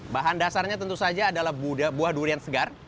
bahan dasarnya tentu saja adalah buah durian segar